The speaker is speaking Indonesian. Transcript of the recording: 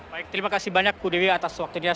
baik terima kasih banyak bu dewi atas waktunya